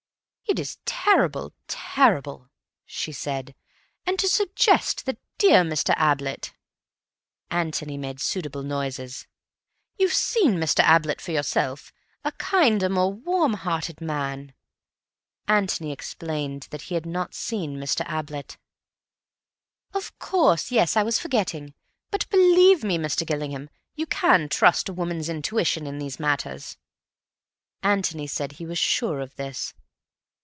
"It is terrible, terrible," she said. "And to suggest that dear Mr. Ablett—" Antony made suitable noises. "You've seen Mr. Ablett for yourself. A kinder, more warmhearted man—" Antony explained that he had not seen Mr. Ablett. "Of course, yes, I was forgetting. But, believe me, Mr. Gillingham, you can trust a woman's intuition in these matters." Antony said that he was sure of this.